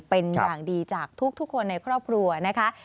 เป็นอย่างดีจากทุกคนในครอบครัวนะคะ